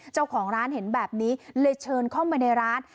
เจ้าของร้านเห็นแบบนี้เลยเชิญเข้ามาในร้าน